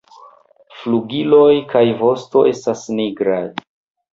Flugiloj kaj vosto estas nigraj.